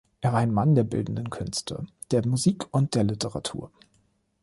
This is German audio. Er war ein Mann der bildenden Künste, der Musik und der Literatur.